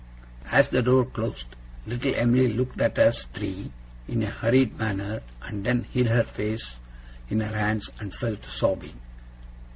As the door closed, little Em'ly looked at us three in a hurried manner and then hid her face in her hands, and fell to sobbing.